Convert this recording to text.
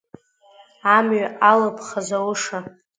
Амҩа алыԥха зауша!